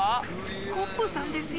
スコップさんですよ。